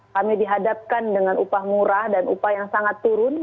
kami dihadapkan dengan upah murah dan upah yang sangat turun